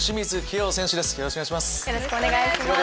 よろしくお願いします。